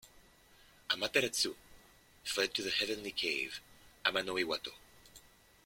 Amaterasu fled to the heavenly cave Amano-Iwato.